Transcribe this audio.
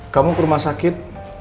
kamu ke rumah sakit